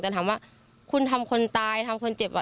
แต่ถามว่าคุณทำคนตายทำคนเจ็บ